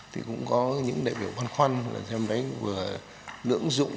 thì cũng có những đại biểu băn khoăn là xem đấy vừa nưỡng dụng